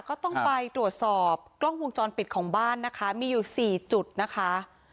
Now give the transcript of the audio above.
คือเป็นแห่งเดียวกันเลยค่ะ